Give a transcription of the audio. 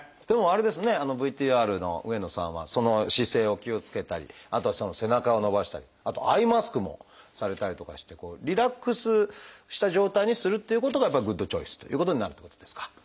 でもあれですねＶＴＲの上野さんは姿勢を気をつけたりあとは背中を伸ばしたりあとアイマスクもされたりとかしてリラックスした状態にするっていうことがやっぱりグッドチョイスということになるっていうことですか？